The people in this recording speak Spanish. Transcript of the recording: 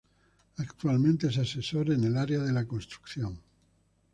Actualmente es Asesor en el área de la construcción.